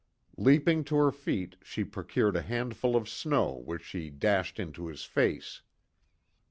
Leaping to her feet, she procured a handful of snow which she dashed into his face.